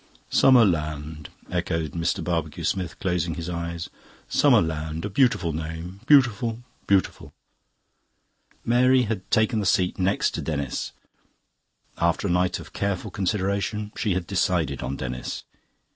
'" "Summer Land," echoed Mr. Barbecue Smith, closing his eyes. "Summer Land. A beautiful name. Beautiful beautiful." Mary had taken the seat next to Denis's. After a night of careful consideration she had decided on Denis.